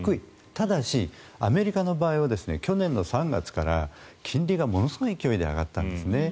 ただ、アメリカの場合は去年の３月から金利がものすごい勢いで上がったんですね。